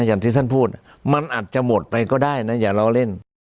อย่างที่ท่านพูดมันอาจจะหมดไปก็ได้นะอย่าล้อเล่น